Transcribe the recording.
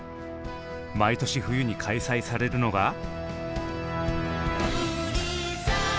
毎年冬に開催されるのが。